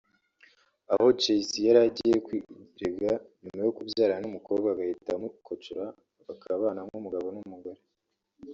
Aha Jay-C yari yagiye kwirega nyuma yo kubyarana n’umukobwa agahita amukocora bakabana nk’umugabo n’umugore